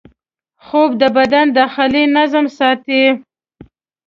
خوب د بدن داخلي نظم ساتي